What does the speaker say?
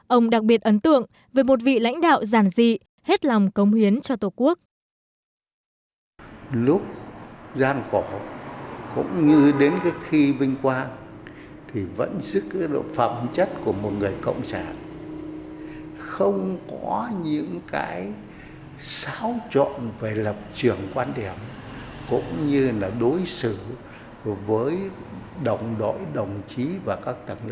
ông đặc biệt ấn tượng về một vị lãnh đạo giản dị hết lòng công hiến cho tổ quốc